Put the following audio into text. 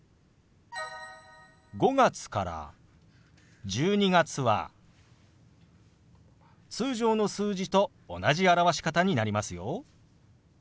５月から１２月は通常の数字と同じ表し方になりますよ。